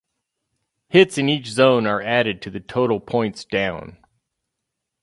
Hits in each zone are added to the total points down.